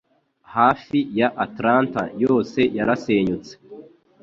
Hafi ya Atlanta yose yarasenyutse.